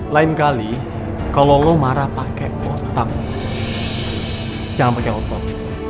lain kali kalo lo marah pake otak jangan pake otak